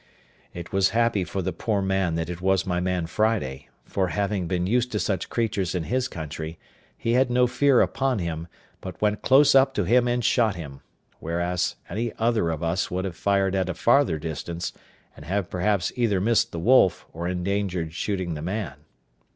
It was happy for the poor man that it was my man Friday; for, having been used to such creatures in his country, he had no fear upon him, but went close up to him and shot him; whereas, any other of us would have fired at a farther distance, and have perhaps either missed the wolf or endangered shooting the man.